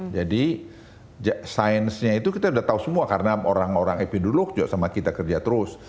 jadi science nya itu kita udah tahu semua karena orang orang epiduruk juga sama kita kerja terus